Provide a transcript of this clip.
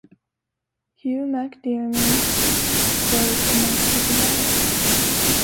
Hugh MacDiarmid was amongst his admirers.